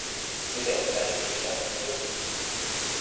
Sie denken natürlich, dass er verrückt ist.